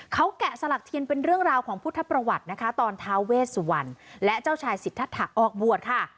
เขาแกะสลักเทียนเป็นเรื่องราวของพุทธประวัตินะคะตอนท้าเวสวรรณและเจ้าชายสิทธาออกบวชค่ะ